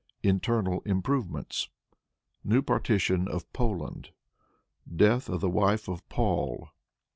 Internal Improvements. New Partition of Poland. Death of the Wife of Paul.